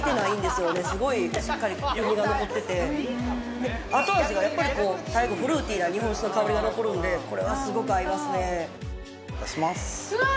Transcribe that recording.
すごいしっかり風味が残ってて後味がやっぱりこう最後フルーティーな日本酒の香りが残るんでこれはすごく合いますねうわ